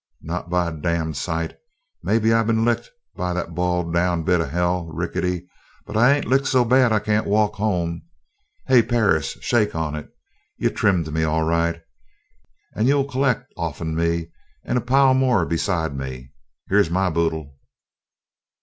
Not by a damned sight! Maybe I been licked by that boiled down bit of hell, Rickety, but I ain't licked so bad I can't walk home. Hey, Perris, shake on it! You trimmed me, all right, and you collect off'n me and a pile more besides me. Here's my boodle."